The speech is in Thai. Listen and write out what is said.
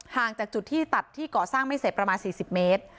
จากจุดที่ตัดที่ก่อสร้างไม่เสร็จประมาณ๔๐เมตร